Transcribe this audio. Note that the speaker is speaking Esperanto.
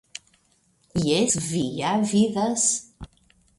Jes, vi ja vidas .